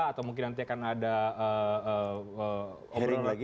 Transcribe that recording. atau mungkin nanti akan ada obrolan lagi